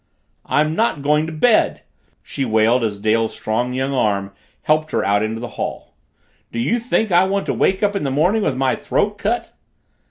"I'm not going to bed!" she wailed as Dale's strong young arm helped her out into the hall. "Do you think I want to wake up in the morning with my throat cut?"